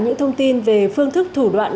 những thông tin về phương thức thủ đoạn